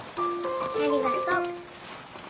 ありがとう。